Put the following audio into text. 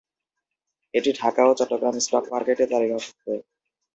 এটি ঢাকা ও চট্টগ্রাম স্টক মার্কেটে তালিকাভুক্ত।